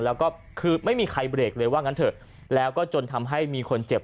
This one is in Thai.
แล้วก็คือไม่มีใครเบรกเลยว่างั้นเถอะแล้วก็จนทำให้มีคนเจ็บ